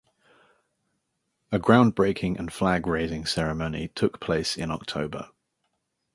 A groundbreaking and flag-raising ceremony took place in October.